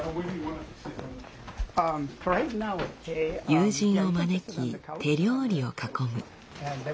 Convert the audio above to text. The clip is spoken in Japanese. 友人を招き手料理を囲む。